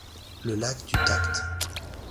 Le lac du Tact.